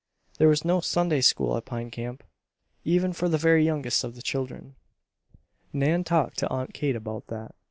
There was no Sunday School at Pine Camp, even for the very youngest of the children. Nan talked to Aunt Kate about that.